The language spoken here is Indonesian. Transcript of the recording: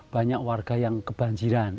banyak warga yang kebanjiran